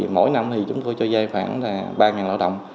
mỗi năm thì chúng tôi cho dây khoảng ba lao động